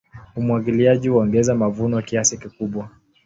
Umwagiliaji huongeza mavuno kiasi kikubwa.